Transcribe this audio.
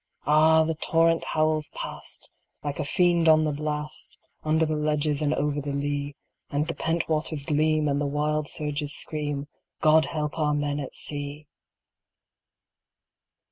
Ah! the torrent howls past, like a fiend on the blast, Under the ledges and over the lea; And the pent waters gleam, and the wild surges scream God help our men at sea!